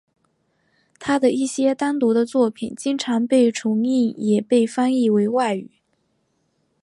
他的一些单独的作品经常被重印也被翻译为外语。